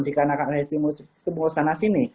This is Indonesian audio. dikarenakan oleh stimulus sana sini